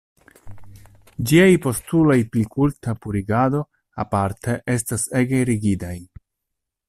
Ĝiaj postuloj pri kulta purigado, aparte, estas ege rigidaj.